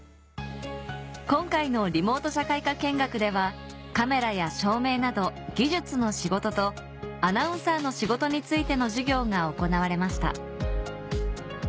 今回のリモート社会科見学ではカメラや照明など技術の仕事とアナウンサーの仕事についての授業が行われました